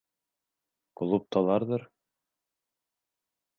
Клубталарҙыр.